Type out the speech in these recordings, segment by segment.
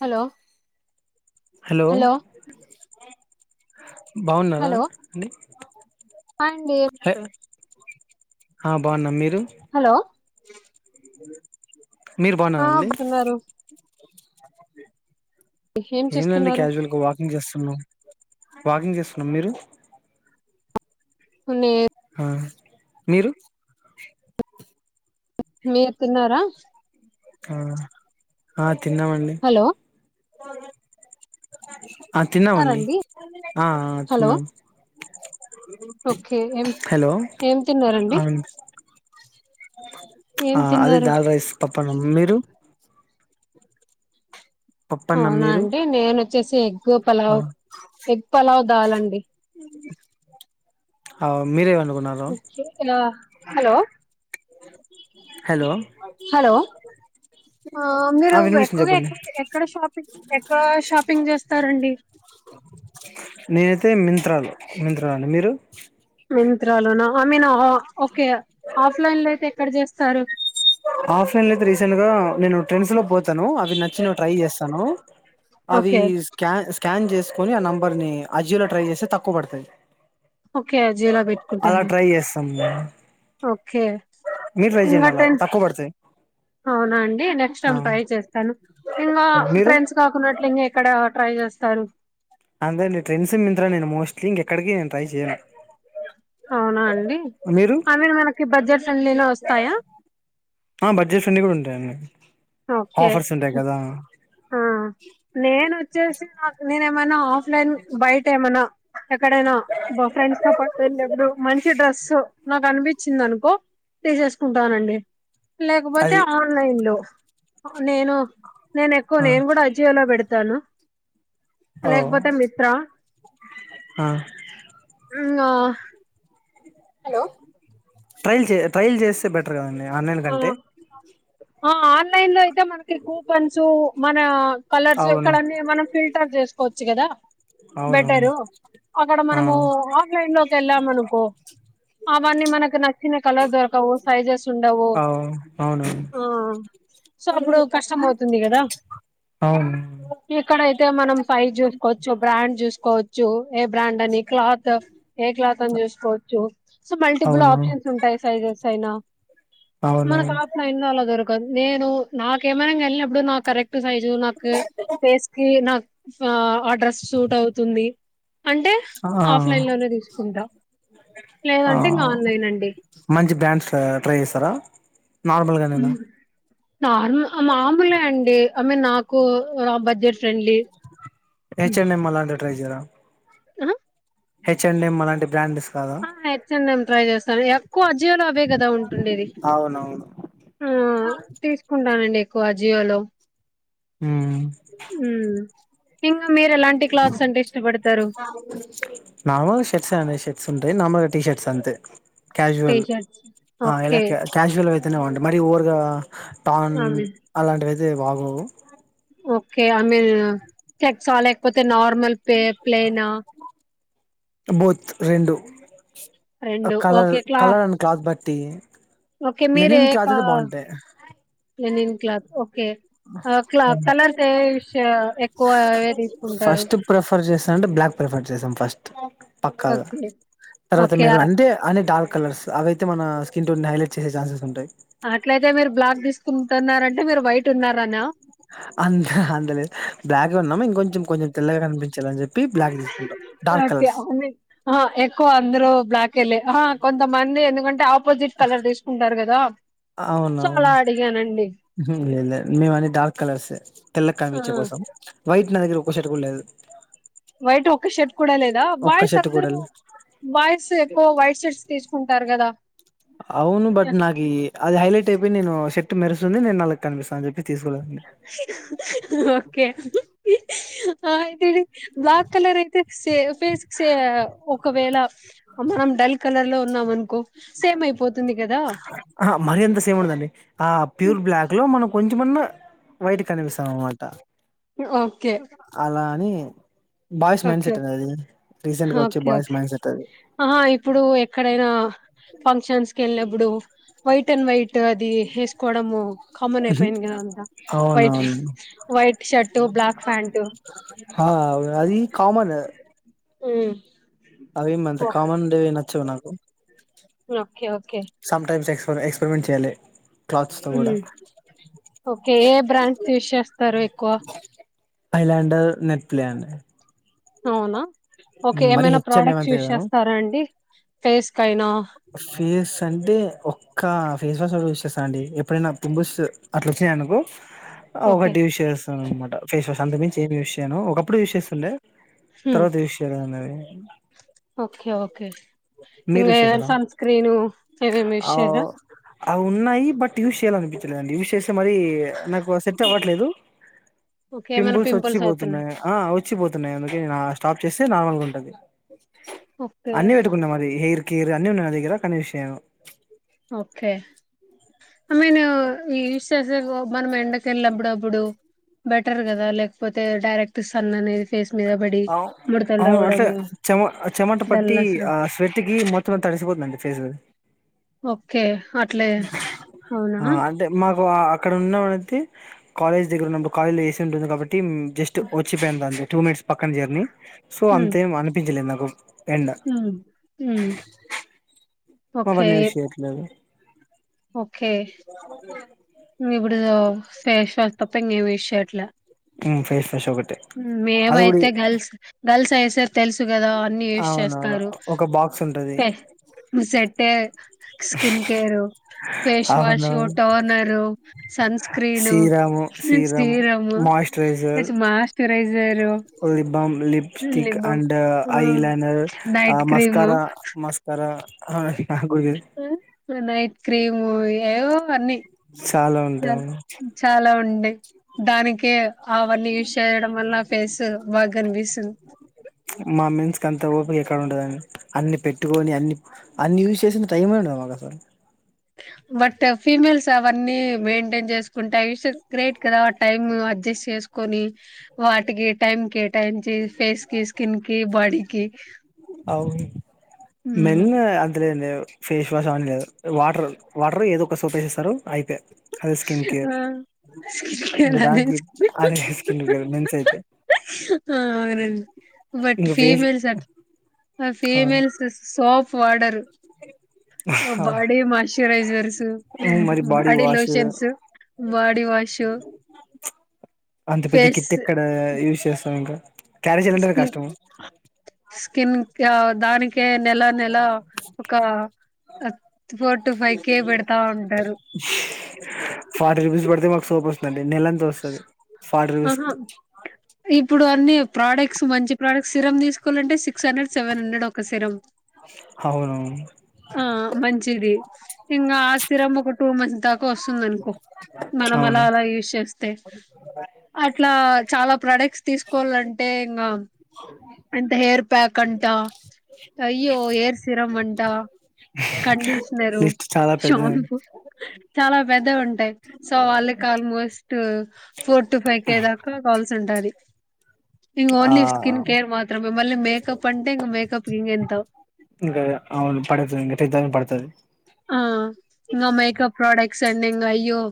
Hello hello బాగున్నదా hello అండి hi అండి హె ఆ బావున్నా మీర్ రు హలో మీరు బాగున్నార ఆ అండి బాగున్నారు ఏం లేదండి క్యాజువల్ గా వాకింగ్ చేస్ ను వాకింగ్ చేస్తున్నాం మీరు మీర్ ఆ మీరు మీరు తిన్నారా ఆ ఆద్ తిన్నామండి హలో ఆ తిన్నామండి తిన్నారండి ఆ ఆ హలో తిన్నామ్ ఓకే ఏం హలో ఏం తిన్నారండి అవును ఏం ఆ అదే తిన్నారు దాల్ రైస్ పప్పన్నం మీరు పప్పన్నం అవునా మీరు అండి నేన వచ్చేసి ఎగ్ ఆ పలావ్ ఎగ్ పలావ్ దాలండి అ మీరే అను ఓకే ఆ హలో హలో హలో ఆ ఆ మీరు వినిపిస్తుంది ఎక్కువగా ఎ చెప్పండి ఎక్కడ షాపింగ్ ఎక్కడ షాపింగ్ చేస్తారండి తే మిన్త్ర లో మిన్త్ర అండి మీరు మిన్త్ర లోన ఆ మీను ఓ ఓకే ఆఫ్లైన్ లో అయితే ఎక్కడ చేస్తారు ఆఫ్లైన్ లో అయితే రీసెంట్ గా నేను ట్రెండ్స్ లో పోతాను అవి నచ్చినవి ట్రై చేస్తాను. అవి ఓకే స్కా స్కాన్ చేసుకొని ఆ నంబర్ని అజీలో ట్రై చేస్తే తక్కువ పడతాయ్ ఓకే అ జీలో పెట్టుకుంటారు చేస్తాం ఓకే మీరు ట్రై ఇంకా చేయండి అలా టెన్ తక్కువ పడతాయి అవునా అండి నెక్స్ట్ ఆ టైమ్ ట్రై చేస్తాను ఇంకా మీరు ట్రెండ్స్ కాకున్నట్లు ఇంక ఇక్కడ ట్రై చేస్తారు అంతే అండి ట్రెండ్స్ మిన్త్ర నేను మోస్ట్లీ ఇంకెక్కడికి నేను ట్రై చేయను అవునా అండి మీరు ఐ మీన్ మనకి బడ్జెట్ ఫ్రెండ్లీలో వస్తాయా ఆ బడ్జెట్ ఫ్రెండ్లీ కూడా ఉంటాయండి ఓకే ఆఫర్స్ ఉంటాయి కదా ఆ నేనుచ్చేసి నాకు నినే ఏమైనా ఆఫ్లైన్ బయట ఏమనా ఎక్కడైనా మా ఫ్రెండ్స్ తో పాటు వెళ్ళేప్పుడు మంచి డ్రెస్ నాకు అనిపించింది అనుకో తీసేసుకుంటానండి లేకపోతే అది ఆన్లైన్ లో నేను నేను ఎక్కువ ఆ నేను కూడా అజియోలో వెడతాను ఓ లేకపోతే మిత్ర ఆ ఇంగా హలో ట్రైల్ చే ట్రైల్ చేసి సే బెటర్ కదండి ఆన్లైన్ ఆ కంటే ఆ ఆన్లైన్ లోయి అతే మనకి కూపన్స్ మన కలర్స్ ఇక్కడ అవును అన్ని మనం ఫిల్టర్ చేసుకోవచ్చు వచ్చు కదా అవునవును బెటరు అక్కడ మనము ఆ ఆఫ్లైన్ లోకి వెళ్ళాం అనుకో అవన్నీ మనకు నచ్చిన కలర్ దొరకవు సైజెస్ ఉండవు అవు అవును ఆ సో అప్పుడు కష్టమవుతుంది కదా అవును ఎక్కడైతే మనము సైజ్ చూసుకోవచ్చు బ్రాండ్ చూస్ కోవచ్చు ఏ బ్రాండ్ అని క్లాత్ ఏ క్లాత్ అని చూసుకోవచ్చు సో మల్టిపుల్ అవును ఆప్షన్స్ ఉంటాయి సైజెస్ అయినా అవును మనకు ఆఫ్లైన్ లో అలా దొరకదు నేను నాకేమనంగా వెళ్లినప్ ఇప్పుడు నా కరెక్ట్ సైజు నాకు ఫేస్ కి నా ఫా ఆ డ్రెస్ సూట్ అవుతుంది అంటే ఆ ఆఫ్లైన్ లోనే తీసుకుంటా ఆ లేదంటే ఇంగా ఆన్లైన్ అండి మంచి బ్రాండ్స్ ట్రై ఏస్ తారా నార్మల్గా నేనా నార్ ముహ మామూలే అండి ఐ మీన్ నాకు రాబట్ డియర్ ఫ్రెండ్లీ ఏ చెల్ నేను మల్ల అట్ల ట్రై జైరా ఆహ హెచ్ఎండి లాంటి బ్రాండ్ డిస్క్. ఆహ్ హెచ్ఎంఎం ట్రై చేస్తా. ఎక్కువ అజీలో అవే కదా ఉంటుండేది అవునవును ఆహ్ తీసుకుంటానండి. కోజియో లో. ఉమ్. ఉమ్ నార్మల్ షెట్స్ అండి షర్ట్స్. నార్మల్గా టీషర్ట్స్ అంతే. T casual shirts. ఆహ్ ఎలా ఓకే. క్యాజువల్ ఐ. తిన మంటే మరీ ఓవర్గా. టాన్ అవి. అలాంటివి అయితే. ఇదే బాబు. ఓకే ఐ మీన్ చెక్సా లేకపోతే నార్మల్ పే ప్లనా. బోత్ రెండు. Colour okay. క్లా కలర్ అండ్ క్లాత్ బట్. టి ఓకే మీరేకా లెనిన్. క్లాత్ ఓ. ష ఎక్కువ ఏవి తీసుకుంటారు? ఫస్ట్ ప్రిఫర్ చేస్తాంటే బ్లాక్ ప్రిఫర్ చేస్తాం ఫస్ట్ పక్కాగా ఓకే. తర్వాత ఓకే. మేరున్ ఆహ్, అంటే అని డార్క్ కలర్స్ అవైతే మన స్కిన్ టోన్ హైలైట్. చే జాసేస్ ఉంటాయి. అట్లయితే మీరు బ్లాక్ తీసుకుంటున్నారంటే మీరు వైట్ ఉన్నారానా. అంత అంతలేదు బ్లాక్గా ఉన్నాం ఇంకొంచెం. కొంచెం తెల్లగా కనీపిం ఆహ్ ఎక్కువ అందరు బ్లాకే లే. కొంతమంది ఎందుకంటే అపు అవున సో, అలా అవును అడిగానండి. లేదు లేదు మేము అని డార్క్ కలర్స్ తెల్లగ ఆ! కనిపించడం కోసం. వైట్ నా దగ్గర ఒక్క షర్ట్ కూడా లేదు. వైట్ ఒక షర్ట్ కూడా లేదా. ఒక్క బాయ్స్ షర్ట్ కూడా అందరు లేదు బాయ్స్ ఎక్కువ వైట్ షర్ట్స్. తీసుకుంటారు కదా. అవును బట్ నాకి అది హైలైట్ అయిపోయి నేను షర్ట్. మెరుస్తుంది నేను నల్లగా కనిపిస్తా అని చెప్పి. తీసుకోలేదండి ఓకే ఆహ్ అయితేరి. బ్లాక్ కలర్ అయితే ఫేస్ సే ఒకవేళ మనం డల్ కాల. కలర్ లో ఉన్నాం అనుకో. సేమ్ అయిపోతుంది కదా ఆహ్ మరి ఎంత సేమ్ ఉండదండి. ఆహ్ ప్యూర్ బ్లాక్ లో మనం కొంచెం. [unintelligible] బయటికి కనిపిస్తాం అన్నమాట ఓకే అలా అనీ అ ఓకే వచ్చే okay boys okay mind set అది ఆహా ఇప్పుడు ఎక్కడైనా ఫిన్ క్షన్ కెళ్ళినప్పుడు వైట్ అండ్ వైట్ అ అది ఏసుకోవడము కామన్ అయిపోయింది కదా అంతా వైట్ అవునవును వైట్ షర్ట్ బ్లాక్ ప్యాంట్ హా అది కామన్ అవి మంత కామన్ డేవి నచ్చవు నాకు ఓకే ఓ సోమ్ టైమ్స్ ఎక్స్పెరిమెంట్ చేయాలి. క్లాత్స్ తో కూడా ఒకే బ్రాండ్స్ యూస్ చేస్తారు ఎక్కువ ఐలాండ నెట్ప్లాండ్ అవునా ఓకే ఏమైనా H and M product use అంతేగాను చేస్తారా అండి ఫేస్కైనా ఫేస్ అంటే ఒక్క ఫేస్ వాష్ యూస్ చేస్ అండి ఎప్పుడైనా పింపుల్స్ అట్ల వచ్చినయి అనుకో ఆ ఓకే ఒకటి యూస్ చేస్తా అన్నమాట. ఫేస్ వాష్ అంతక్ మించి ఏం యూస్ నేను ఒకప్పుడు యూస్ చేస్తుండే హ్మ్. తర్వాత యూస్ చేయలే అన్నది. ఇంకా ఏమైనా సన్ స్క్రీను అవేం యూస్ ఆ చేయరా. అవి ఉన్నాయి బట్ యూస్ చేయాలనిపించలేదండి యూస్ చేస్ మరీ నాకు సెట్ అవ్వట్లేదు ఓకే ఏమైనా పింపుల్స్ అవుతున్నాయి వచ్చిపోతున్నాయి ఆ వచ్చిపోతున్నాయి అందుకే నేన్ ఆ స్టాప్ చేస్తే నార్మల్గా ఉంటది. ఓకే అన్ని పెట్టుకున్నా మరి హెయిర్ కేర్ అన్నీ ఉన్నయి నా దగ్గర కానీ యూస్ చేయను ఓకే ఐ మీన్ ఈ యూస్ చేసే సోప్ మనం ఎండకి ఎళ్ళప్పుడు అప్పుడు. బెటర్ కదా లేకపోతే డైరెక్ట్ సన్ అనేది ఫేస్ మీద పడి అవు ముడతలు అవును అంటే రావడము చెమ చెమట పట్టి డల్నెస్ రా ఆ స్వెట్కి మొత్తం తడిసిపోతుందండి ఫేసు. ఓకే అట్లే అవునా ఆ అంటే మాకు ఆ అక్కడ ఉన్నాం అని వతే కాలేజ్ దగ్గర ఉన్నప్పుడు కాలేజ్లో ఏ సి ఉంటుంది కాబట్టి. ఉమ్ జస్ట్ వచ్చిపోయిందంతే. టూ మినిట్స్ పక్కన జర్నీ. సో అంతేం అనిపియలేదు నాక్. అ హు మహ్ అవన్నీ యూస్ చేయట్లేదు. ఓకే షర్ట్లా హ్మ్ ఫేస్ వాష్ ఒకటే మేము అది కూడా అయితే గర్ల్స్ గర్ల్స్ హైస్ సార్ తెలుసు కదా అన్ని యూస్ అవునవును చేస్తారు ఒక బాక్స్ ఉంటది పే సెట్టే స్కిన్ కేరు ఫేస్ వాషు అవును వా toner. Sunscreen serum serum serum కొంచెం మాయిశ్చ. లిప్బామ్ లిప్స్టిక్ లిబం అండ్ ఆ ఐలైనర్ ఆ నైట్ క్రీము మస్కారా మస్కారా. ఆ హి [unintelligible] నైట్ క్రీము ఏవో అన్నీ చాలా చాలా ఉండి డి దానికే అవన్నీ యూస్ చేయడం వల్ల ఫేస్ బాగ్గనిపిస్తుంది మా మెన్స్ కి అంత ఓపిక ఎక్కడ ఉంటదని అన్ని పెట్టుకొని అన్ని అన్ని యూజ్ చేసిన టైమే ఉండదు మాకసలు. బట్ ఫీమేల్స్ అవన్నీ మెయింటైన్ చేసు కుంట యుషస్ గ్రేట్ కదా టైమ్ అ అడ్జస్ట్ చేసుకొని వాటికి టైం కే టయించి ఫేస్ కి స్కిన్ కి బాడీకి హ్మ్ అదేంది ఫేస్ వాష్ అవన్ని కాదు వాటర్ వాటర్ ఏదో ఒక సోప్ వేసేస్తారు అయిపోయా అదే స్కిన్ కేేర్ ఆ ఇంగ స్కిన్ అదే దానికి స్కిన్ అదే స్కిన్ కేర్ మెన్సైతే ఆ అవునండి బట్ ఇంకా face females at females soap వాడరు బాడీ మాయిశ్చరైజర్స్, మరి body wash lotions body wash, అంత పెద్ద ఫేస్ కిట్ ఎక్కడ యూజ్ చేస్తాం ఇంకా క్యారీ చేయాలంటేనే స్కిన్, కష్టం స్కిన్ కా దానిక్ కే నెలా నెలా ఒక ఫోర్ టు ఫైవ్ కే పెడతా ఉంటరు. నెలంత వస్తది ఫార్టీ రూపీస్ ఆహా కి. ఇప్పుడు అన్నీ ప్రొడక్ట్స్ మంచి ప్రొడక్ట్స్ సిరమ్ తీసుకోవాలంటే six hundred, seven hundred ఒక సిరం. అవునవును ఆ మంచిది. ఇంగా ఆ సిరం ఒక టూ మంత్స్ దాకా వస్తుంది అనుకో మనం అలా అవును అలా యూస్ చేస్తే అ ఇట్లా చాలా ప్రాడక్ట్స్ తీసుకోవాలంటే ఇంగా అంటే హెయిర్ ప్యాక్ అంట, అయ్యో హెయిర్ సిరమ్ అంట కండిష్ నరు, లిస్ట్ చాలా పెద్దది షాంపు చాలా పెద్దగ ఉంటాయి. సో వాళ్ళకి almost four to five K దాకా కావాల్సి ఉంటాది. ఇవి ఆ ఓన్లీ స్కిన్ కేర్ మాత్రమే మళ్ళీ మేకప్ అంటే ఇంక మేకప్ కి ఇంకెంతో. పెద్దగనే పడుతది. ఆ ఇంగ మేకప్ ప్రొడక్ట్స్ అండింగ అయ్యో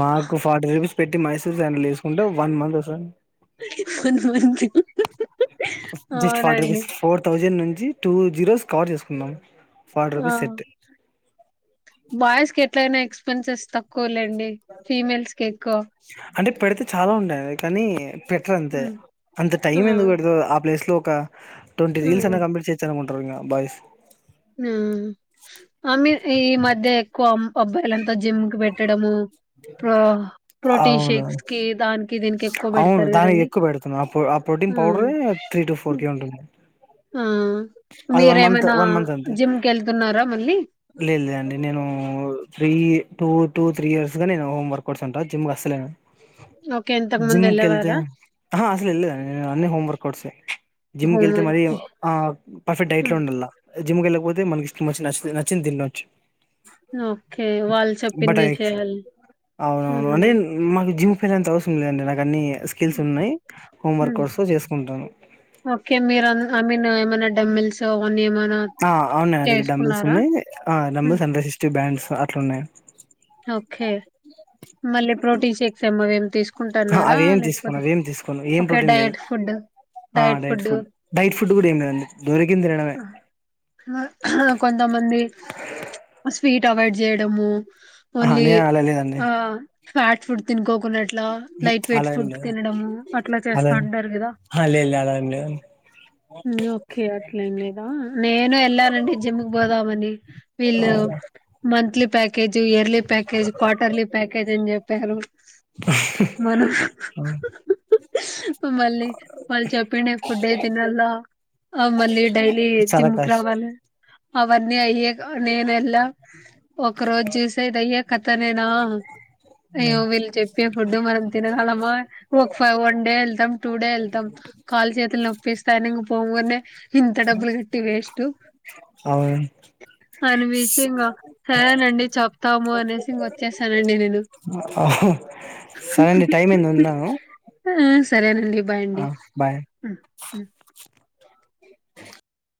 మాకు ఫార్టీ రూపీస్ పెట్టి మైసూర్ సాండెల్ తీసుకుంటే వన్ మంత్ వస్తదండి, వన్ మంత్ జస్ట్ ఫార్టీ అవునండి. రూపీస్ ఫోర్ తౌసండ్ నుం నుంచి టూ జీరోస్ కవర్ చేసుకుందాం. ఫార్టీ ఆ రూపీస్ సెట్. బాయ్స్ కి ఎట్లైన ఎక్స్పెన్సెస్ తక్కువ లెం డి ఫీమెల్స్ కి ఎక్కువ. అంటే పెడితే చాలా ఉండాయి కానీ పెటర్ ఆ అంతే అంత ఆ టైం ఎందుకు పెడితవ్ ఆ ప్లేస్ లో ఒక ట్వంటీ ఆ రీల్స్ అయినా కంప్లీట్ చేయచ్చు అను కుంట బాయ్స్. ఉమ్ ఆ మీర్ ఈ మధ్య ఎక్కువ పబ్బ లంత్ జిమ్ క పెట్టడం ప్ర ప్రోటీన్ అవును షేక్స్ కి దానికి దీనికి ఎక్కువ అవును పెడతారు దానికి కదండీ ఎక్కువ పెడుతున్నా ఆ ప్రొ ఆ ప్రోటీన్ ఉమ్మ్ పౌడరే త్రీ టు ఫోర్ కే ఉంటుంది అది వన్ మంత్ వన్ మంత్ అంతే జిమ్‌కెళ్తున్నారా మళ్ళీ? లేదు లేదండి నేను three two two three years గా నేను హోంవర్క్ కొడుచ ఉంటా జిమ్ కసల్కవెళ్లను ఓకే. ఇంతకుముందు జిమ్ కెళ్తే ఎళ్ళేవారా? అసలు వెళద అన్న home workouts gym home కెళ్తే మరి ఓకే. ఆ పర్ఫెక్ట్ డైట్లో హ్మ్. ఉండల జిమ్ వెళ్ళకపోతే మనకి ఇష్ట నచ్చ నచ్చింది తినొచ్చు ఓకే వాళ్ళు బట్ చెప్పిందే ఎక్స్ చేయాలి అయిన అంతా అసరం లేదండి నాక అన్నీ ఉమ్మ్ చేసుకుంటాను ఓకే మీరు ఆన్ ఐ మీన్ ఏమన్ తమిల్ స అనియమ ఆ అవున్ నాదగ్గర డబుస్ ఉన్నాయి హ్మ్. డబుల్స్ హండ్రైడ్ సిస్ బ్యాండ్స్ అట్లున్నాయి ఓకే మళ్ళీ ప్రోటీన్ షేక్స్ ఏమ్మోవేమి తీసుక్ అహా! కుంటున్నారా అవేం తీసుకోను లేకపోతే అవేం తీసుకోను ఏం ఓకే ప్రోటీన్ లేదు డైరెక్ట్ ఫుడ్ ఆ direct diet food diet food కూడా ఏం లేదండి దొరికింది తినడమే కొంతమంది స్వీట్ అవాయిడ్ చేయడము ఆ నే అళ లేదండి ఫాస్ట్ ఫుడ్తు కోకోనట్ టల్లా హుహు. లైట్ వైట్ అలా ఏం ఫుడ్ లేదు తినడం అట్లా చేస్తా అలా ఉంటారు కదా ఆ లేదు లేదు అలా ఏం లేదండి ఒకే అట్లేం లేదా ఒకే నేను వెళ్ళాను ఆండీ జిమ్ కి పోదాం అనీ వీళ్ళు అవును monthly package year package quarterly package అని చెప్పారు మనం ఆ! మళ్ళీ వాళ్ళు చొపిండే ఫుడ్ తినలా మళ్ళీ డైలీ చాలా జిమ్ కి కష్టం రావాలి అవని అయి నేన ఎల్లా ఒక రోజు చూస ఇది అయే ననా అయ్యో వీళ్ళు చెప్పే ఫుడ్ మనం తినగలమా ఒకవ్ వన్ డే వెళ్తాం టూ డే వెళ్తాం కాళ చేతులు నొప్పిస్తాయని ఇంక పోంగానే ఇంత డబ్బులు కట్టి వేస్ట్ అవును అని పించి ఇంక సరేనండి చెప్తాము అనేసి ఇంగ వచ్చేసనండి నేను సరే అండి టైం ఏమి ఉన్దాము ఆ సరేనండి బాయ్ అండి బాయ్ ఉమ్